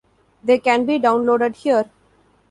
They can be downloaded here.